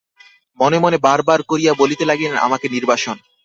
মনে মনে বার বার করিয়া বলিতে লাগিলেন, আমাকে নির্বাসন!